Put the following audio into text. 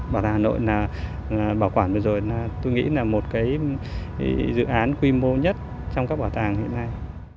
bảo tàng hà nội là bảo quản bây giờ tôi nghĩ là một cái dự án quy mô nhất trong các bảo tàng hiện nay